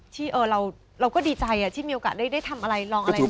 ที่เราก็ดีใจที่มีโอกาสได้ทำอะไรลองอะไรดู